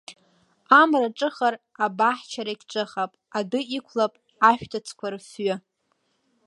Амра ҿыхар, абаҳчарагь ҿыхап, адәы иқәлап ашәҭыцқәа рыфҩы.